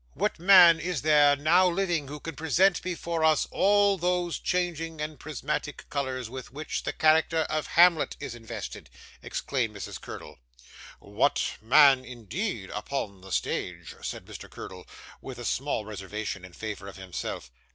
'What man is there, now living, who can present before us all those changing and prismatic colours with which the character of Hamlet is invested?' exclaimed Mrs. Curdle. 'What man indeed upon the stage,' said Mr. Curdle, with a small reservation in favour of himself.